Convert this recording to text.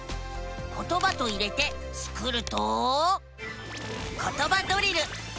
「ことば」と入れてスクると「ことばドリル」。